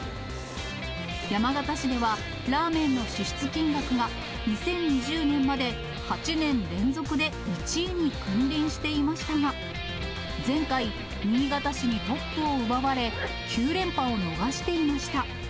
山形市では、ラーメンの支出金額が、２０２０年まで８年連続で１位に君臨していましたが、前回、新潟市にトップを奪われ、９連覇を逃していました。